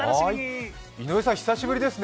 井上さん、久しぶりですね。